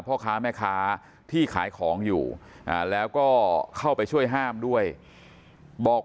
พ่อค้าแม่ค้าที่ขายของอยู่แล้วก็เข้าไปช่วยห้ามด้วยบอก